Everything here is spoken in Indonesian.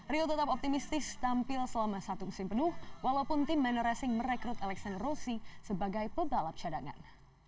rio tetap optimistis tampil selama satu musim penuh walaupun tim mano racing merekrut alexan rosi sebagai pebalap cadangan